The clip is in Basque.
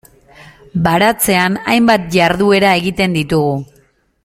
Baratzean hainbat jarduera egiten ditugu.